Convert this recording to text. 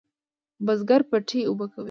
بزگر پټی اوبه کوي.